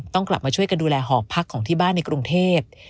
ต้องกลับมาดูแลหอพักของบ้านในกรุงเทศ